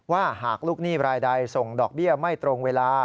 หากลูกหนี้รายใดส่งดอกเบี้ยไม่ตรงเวลา